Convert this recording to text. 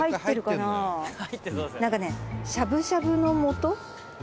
「なんかねしゃぶしゃぶのもと？」